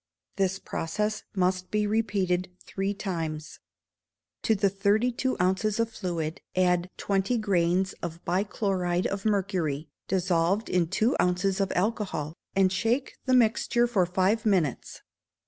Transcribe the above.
This process must be repeated three times. To the thirty two ounces of fluid, add twenty grains of the bichloride of mercury, dissolved in two ounces of alcohol, and shake the mixture for five minutes.